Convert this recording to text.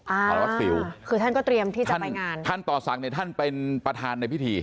อ่าคือท่านก็เตรียมที่จะไปงานท่านต่อสั่งเนี่ยท่านเป็นประธานในพิธี